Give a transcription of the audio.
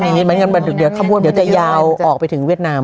เหมือนกันบันดึกเดียวเดี๋ยวจะยาวออกไปถึงเวียดนาม